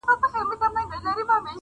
اوس سره جار وتو رباب سومه نغمه یمه.